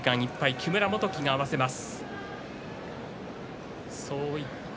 木村元基が合わせます。